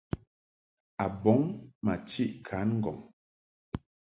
A bɔŋ ma chiʼ kan ŋgɔŋ.